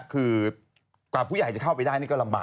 คือกว่าผู้ใหญ่จะเข้าไปได้นี่ก็ลำบาก